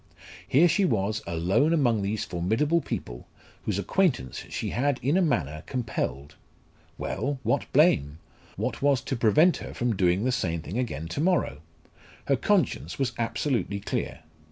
Here she was alone among these formidable people, whose acquaintance she had in a manner compelled. Well what blame? What was to prevent her from doing the same thing again to morrow? Her conscience was absolutely clear.